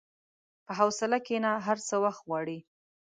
په حوصله کښېنه، هر څه وخت غواړي.